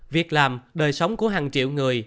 việc làm đời sống của hàng triệu người